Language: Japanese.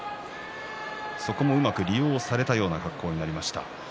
そこをうまく利用されるような格好となりました。